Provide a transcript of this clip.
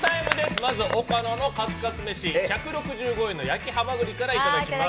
まず、岡野のカツカツ飯１６５円の焼きハマグリからいただきます。